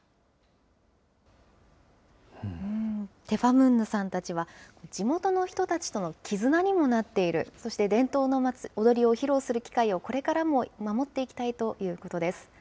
テファムンヌさんたちは、地元の人たちとの絆にもなっている、そして伝統の踊りを披露する機会をこれからも守っていきたいということです。